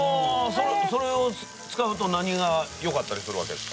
それを使うと何がよかったりするわけですか？